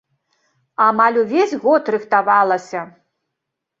Амаль увесь год рыхтавалася.